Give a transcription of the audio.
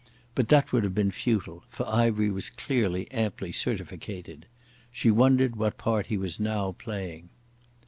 But that would have been futile, for Ivery was clearly amply certificated. She wondered what part he was now playing.